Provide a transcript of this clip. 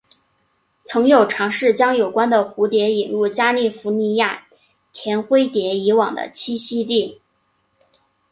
曾有尝试将有关的蝴蝶引入加利福尼亚甜灰蝶以往的栖息地。